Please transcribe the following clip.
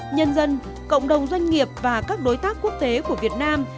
nhân dân cộng đồng doanh nghiệp và các đối tác quốc tế của việt nam